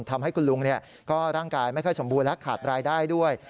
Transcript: ทำให้คุณลุงก็ร่างกายไม่ค่อยสมบูรณ์และขาดรายได้ด้วย